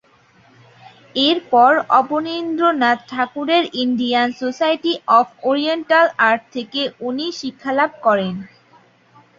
এরপর অবনীন্দ্রনাথ ঠাকুরের Indian Society of Oriental Art থেকে উনি শিক্ষালাভ করেন।